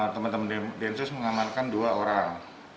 teman teman densus mengamankan dua orang